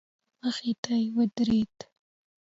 مخې ته يې ودرېد.